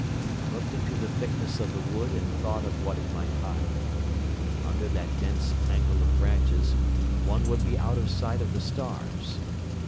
I looked into the thickness of the wood and thought of what it might hide. Under that dense tangle of branches one would be out of sight of the stars.